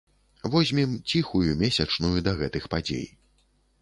Возьмем ціхую месячную да гэтых падзей.